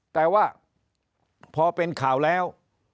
แต่ว่าพอเป็นข่าวแล้ว